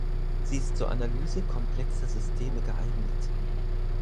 Sie ist zur Analyse komplexer Systeme geeignet.